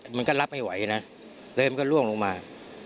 มันก็รับไม่ไหวนะเลยมันก็ล่วงลงมา